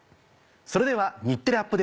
それでは『日テレアップＤａｔｅ！』